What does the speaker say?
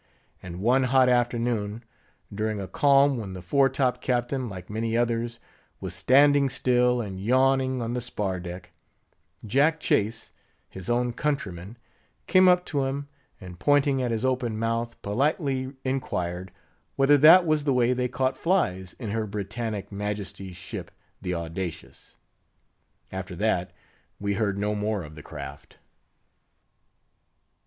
And one hot afternoon, during a calm, when the fore top Captain like many others, was standing still and yawning on the spar deck; Jack Chase, his own countryman, came up to him, and pointing at his open mouth, politely inquired, whether that was the way they caught flies in Her Britannic Majesty's ship, the Audacious? After that, we heard no more of the craft.